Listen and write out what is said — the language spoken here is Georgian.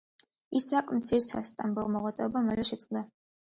ისააკ მცირის სასტამბო მოღვაწეობა მალე შეწყდა.